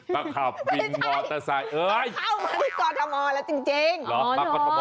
ปะขับวินมอเตอร์ไซค์เอ้ยไม่ใช่ปะเข้ามาที่กรธมรแล้วจริง